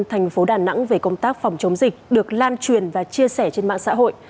tp đà nẵng về công tác phòng chống dịch được lan truyền và chia sẻ trên mạng xã hội